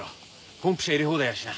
ポンプ車入れ放題やしな。